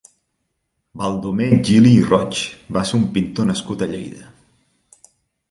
Baldomer Gili i Roig va ser un pintor nascut a Lleida.